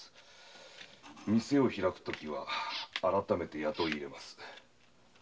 店を開くときは改めて雇い入れます。